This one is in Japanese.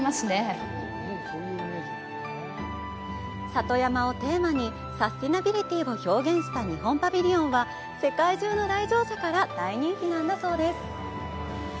里山をテーマにサスティナビリティを表現した日本パビリオンは世界中の来場者から大人気なんだそうです。